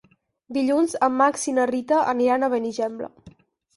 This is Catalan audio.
Dilluns en Max i na Rita aniran a Benigembla.